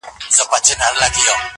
وژني بېګناه انسان ګوره چي لا څه کیږي،